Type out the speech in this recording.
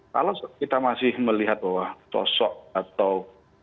kalau kita masih melihat bahwa sosok atau